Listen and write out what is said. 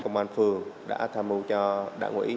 công an phường đã tham mưu cho đảng ủy